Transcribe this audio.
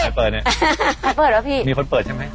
มีคนเปิดใช่มั้ย